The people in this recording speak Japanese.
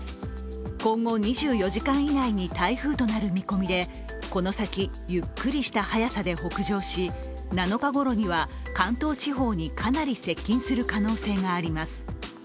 今後２４時間以内に台風となる見込みでこの先、ゆっくりした速さで北上し７日ごろには関東地方にかなり接近する可能性があります。